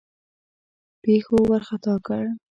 پیښو وارخطا کړ.